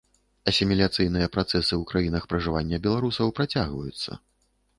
Асіміляцыйныя працэсы ў краінах пражывання беларусаў працягваюцца.